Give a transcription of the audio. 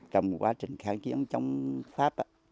trong quá trình kháng chiến chống pháp